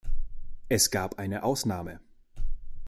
Es gab eine Ausnahme.